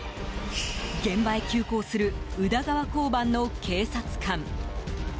現場へ急行する宇田川交番の警察官。